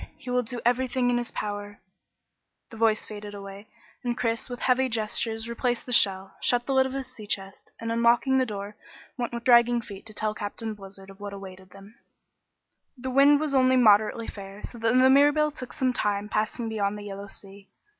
He will do everything in his power " The voice faded away, and Chris with heavy gestures replaced the shell, shut the lid of his sea chest, and unlocking the door, went with dragging feet to tell Captain Blizzard of what awaited them. The wind was only moderately fair so that the Mirabelle took some time passing beyond the Yellow Sea.